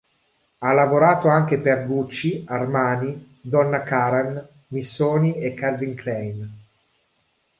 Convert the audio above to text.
Ha lavorato anche per Gucci, Armani, Donna Karan, Missoni e Calvin Klein.